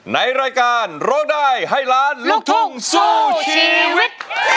ในรายการโลกร้ายใหม่ล้านลูกถุงสู้ชีวิต